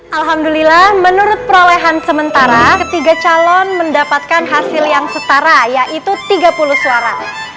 alhamdulillah menurut perolehan sementara ketiga calon mendapatkan hasil yang setara yaitu tiga puluh suara